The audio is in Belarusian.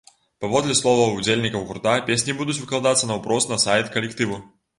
Паводле словаў удзельнікаў гурта, песні будуць выкладацца наўпрост на сайт калектыву.